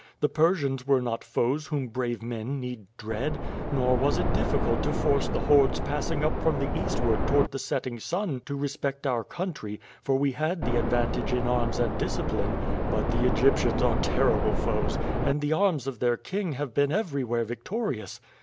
The Persians were not foes whom brave men need dread; nor was it difficult to force the hordes passing us from the eastward toward the setting sun to respect our country, for we had the advantage in arms and discipline. But the Egyptians are terrible foes, and the arms of their king have been everywhere victorious.